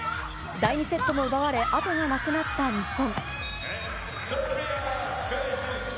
第２セットも奪われ、後がなくなった日本。